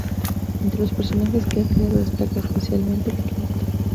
Entres los personajes que ha creado destaca especialmente "Carlota".